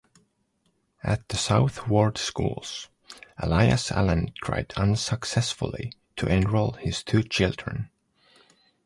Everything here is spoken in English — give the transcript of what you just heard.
At the South Ward schools, Elias Allen tried unsuccessfully to enroll his two children.